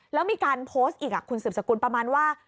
แล้วมีการโพสต์อีกคุณสืบสกุลประมาณว่า